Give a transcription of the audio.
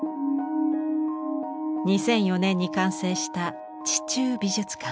２００４年に完成した「地中美術館」。